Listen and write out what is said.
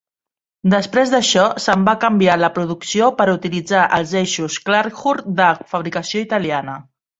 Després d'això, se'n va canviar la producció per utilitzar els eixos Clark-Hurth, de fabricació italiana.